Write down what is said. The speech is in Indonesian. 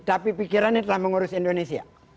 tapi pikirannya telah mengurus indonesia